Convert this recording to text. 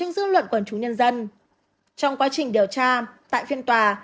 trí pháp luận của chủ nhân dân trong quá trình điều tra tại phiên tòa